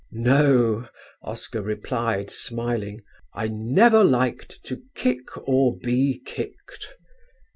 "No," Oscar replied smiling, "I never liked to kick or be kicked."